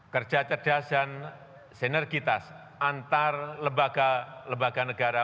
kerja cerdas dan sinergitas antar lembaga lembaga negara